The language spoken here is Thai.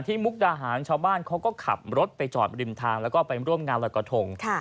มุกดาหารชาวบ้านเขาก็ขับรถไปจอดริมทางแล้วก็ไปร่วมงานลอยกระทง